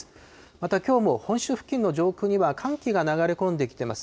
また、きょうも本州付近の上空では寒気が流れ込んできています。